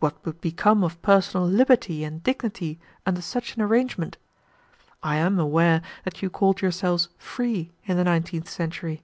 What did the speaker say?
What would become of personal liberty and dignity under such an arrangement? I am aware that you called yourselves free in the nineteenth century.